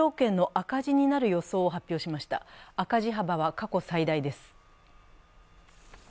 赤字幅は過去最大です。